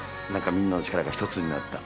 みんなの力が１つになった